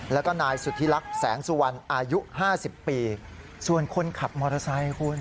แล้วก็นายสุธิลักษณ์แสงสุวรรณอายุห้าสิบปีส่วนคนขับมอเตอร์ไซค์คุณ